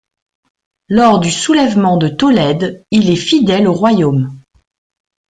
Lors du soulèvement de Tolède, il est fidèle au royaume.